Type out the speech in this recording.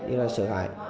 y là sợ hãi